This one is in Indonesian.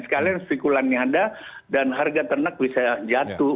sekalian spikulannya ada dan harga ternak bisa jatuh